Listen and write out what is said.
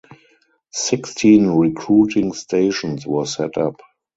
Sixteen recruiting stations were set up.